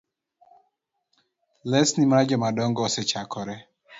Lesni mar jomadongo osechakore